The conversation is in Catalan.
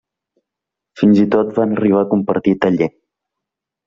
Fins i tot van arribar a compartir taller.